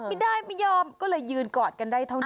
ไม่ได้ไม่ยอมก็เลยยืนกอดกันได้เท่านั้น